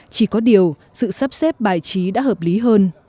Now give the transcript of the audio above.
chỉ có điều sự sắp xếp bài trí đã hợp lý hơn